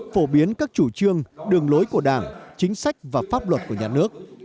phổ biến các chủ trương đường lối của đảng chính sách và pháp luật của nhà nước